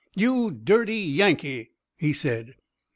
"You dirty Yankee!" he said.